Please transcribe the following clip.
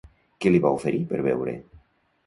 Què li va oferir per beure?